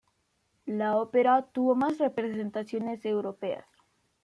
La ópera tuvo más representaciones europeas.